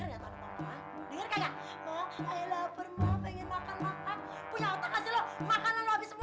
kayak kagak budi akan lu bener bener enggak makanya punya otak kasih lo makanan abis semua